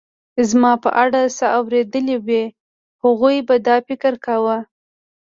زما په اړه څه اورېدلي وي، هغوی به دا فکر کاوه.